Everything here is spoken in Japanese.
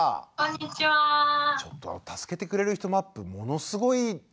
ちょっと「助けてくれる人マップ」ものすごい感動しました僕。